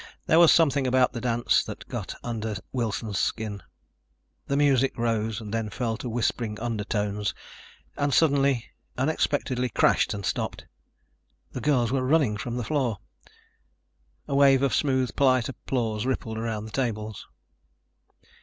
There was something about the dance that got under Wilson's skin. The music rose, then fell to whispering undertones and suddenly, unexpectedly, crashed and stopped. The girls were running from the floor. A wave of smooth, polite applause rippled around the tables.